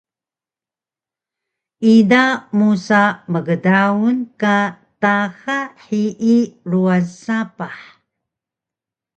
ida musa mgdang ka taxa hiyi ruwan sapah